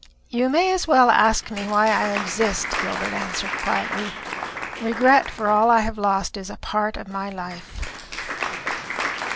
"You may as well ask me why I exist," Gilbert answered quietly. "Regret for all I have lost is a part of my life."